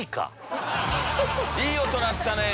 いい音鳴ったね。